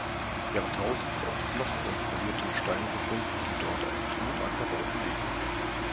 Jahrtausends aus Knochen und poliertem Stein gefunden, die dort einen frühen Ackerbau belegen.